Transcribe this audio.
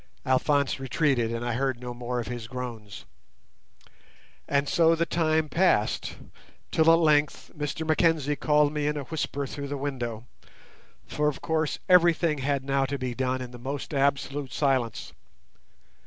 Alphonse retreated, and I heard no more of his groans. And so the time passed, till at length Mr Mackenzie called me in a whisper through the window, for of course everything had now to be done in the most absolute silence.